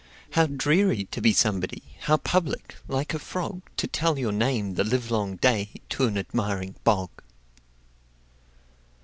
How dreary to be somebody! How public, like a frogTo tell your name the livelong dayTo an admiring bog!